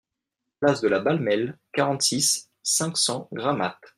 Place de la Balmelle, quarante-six, cinq cents Gramat